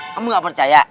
kamu gak percaya